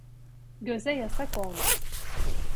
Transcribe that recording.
Göze yasak olmaz.